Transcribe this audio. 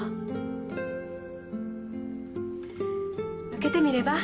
受けてみれば？